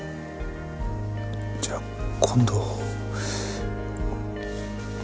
じゃあ今度。